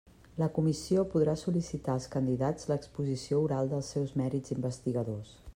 La Comissió podrà sol·licitar als candidats l'exposició oral dels seus mèrits investigadors.